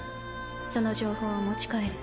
その情報を持ち帰れ。